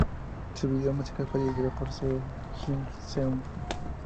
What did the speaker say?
Su video musical fue dirigido por Seo Hyun-seung.